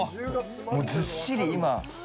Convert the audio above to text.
もう、ずっしり今。